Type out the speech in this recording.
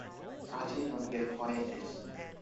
I did not get quite this.